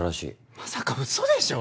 まさかうそでしょ？